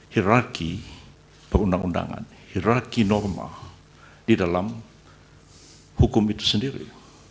hirarki perundangan hirarki norma di dalam hukum itu sendiri